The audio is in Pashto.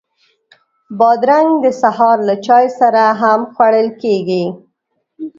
بادرنګ د سهار له چای سره هم خوړل کېږي.